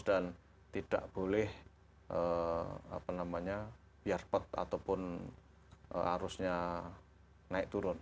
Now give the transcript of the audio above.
dan tidak boleh biarpet ataupun arusnya naik turun